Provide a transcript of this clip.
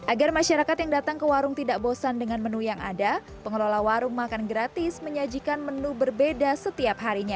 agar masyarakat yang datang ke warung tidak bosan dengan menu yang ada pengelola warung makan gratis menyajikan menu berbeda setiap harinya